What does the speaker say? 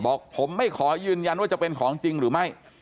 บอกผมไม่ขอยืนยันว่าจะเป็นของจริงหรือไม่